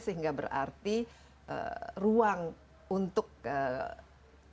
sehingga berarti ruang untuk kepentingan